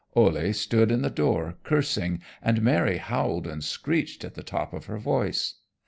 Ole stood in the door, cursing, and Mary howled and screeched at the top of her voice.